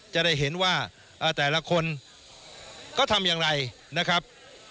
จะได้เห็นว่าแต่ละคนก็ทำอย่างไรนะครับ